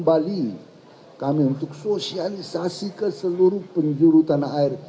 dan memerintahkan kembali kami untuk sosialisasi ke seluruh penjuru tanah air